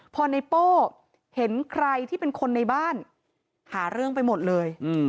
พอในโป้เห็นใครที่เป็นคนในบ้านหาเรื่องไปหมดเลย